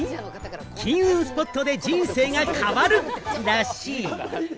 金運スポットで人生が変わるらしい。